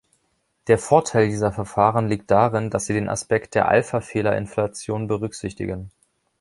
Der Vorteil dieser Verfahren liegt darin, dass sie den Aspekt der Alphafehler-Inflation berücksichtigen.